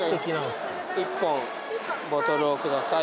１本ボトルをください